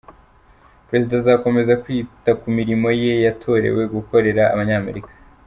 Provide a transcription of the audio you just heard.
Perezida azakomeza kwita ku mirimo ye yatorewe gukorera Abanyamerika.